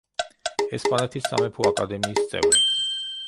ესპანეთის სამეფო აკადემიის წევრი.